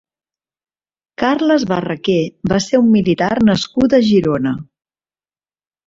Carles Barraquer va ser un militar nascut a Girona.